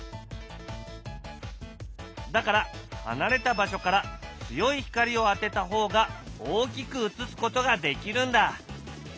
だから離れた場所から強い光を当てた方が大きく映すことができるんだ！